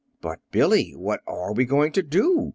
"But, Billy, what are we going to do?"